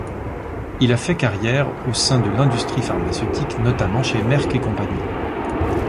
Il a fait carrière au sein de l'industrie pharmaceutique, notamment chez Merck & Co.